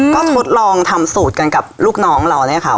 ก็ทดลองทำสูตรกันกับลูกน้องเราเนี่ยค่ะ